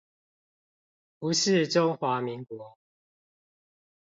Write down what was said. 不是中華民國